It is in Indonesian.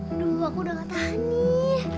aduh aku udah kata nih